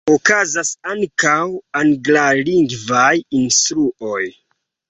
Okazas ankaŭ anglalingvaj instruoj.